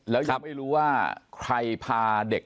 แล้วยังไม่รู้ว่าใครพาเด็ก